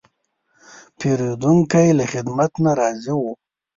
پیرودونکی له خدمت نه راضي و.